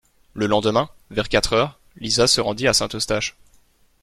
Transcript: Le lendemain, vers quatre heures, Lisa se rendit à Saint-Eustache.